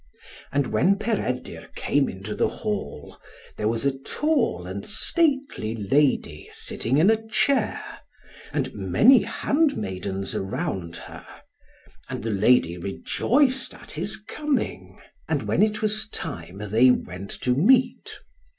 And when Peredur came into the hall, there was a tall and stately lady sitting in a chair, and many handmaidens around her; and the lady rejoiced at his coming. And when it was time, they went to meat.